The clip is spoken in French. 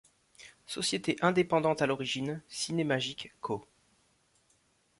Société indépendante à l'origine, Cinemagic Co.